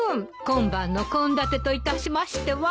今晩の献立といたしましては。